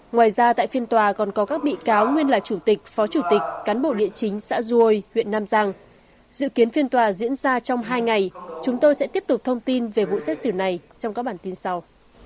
ngoài ra tại phiên tòa còn có các bị cáo nguyên là chủ tịch phó chủ tịch cán bộ địa chính xã du lịch nam giang dự kiến phiên tòa diễn ra trong hai ngày chúng tôi sẽ tiếp tục thông tin về vụ xét xử này trong các bản tin sau